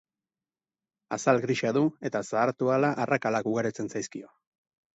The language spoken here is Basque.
Azal grisa du eta zahartu ahala arrakalak ugaritzen zaizkio.